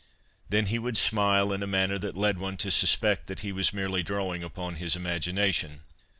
Then he would smile in a manner that led one to suspect that he was merely drawing upon his imagination.